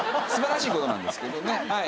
素晴らしい事なんですけどね。